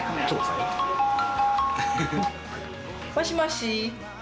もしもし。